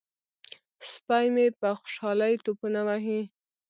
سپی مې په خوشحالۍ ټوپونه وهي.